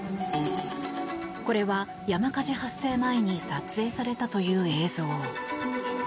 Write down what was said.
これは、山火事発生前に撮影されたという映像。